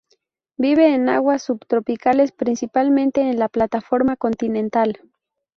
Vive en aguas subtropicales, principalmente en la plataforma continental.